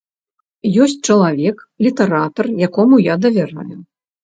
Ёсць чалавек, літаратар, якому я давяраю.